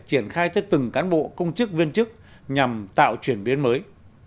triển khai tới từng cán bộ công chức viên chức nhằm tạo chuyển biến mới